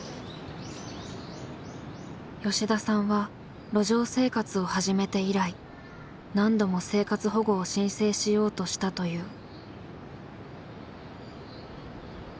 吉田さんは路上生活を始めて以来何度も生活保護を申請しようとしたという。